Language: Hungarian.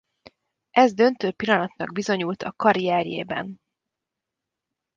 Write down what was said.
Ez döntő pillanatnak bizonyult a karrierjében.